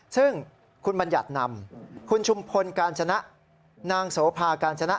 ซึ่งคุณบัญญัตินำคุณชุมพลการชนะนางโสภาการชนะ